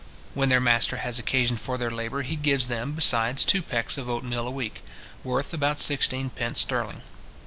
When their master has occasion for their labour, he gives them, besides, two pecks of oatmeal a week, worth about sixteen pence sterling.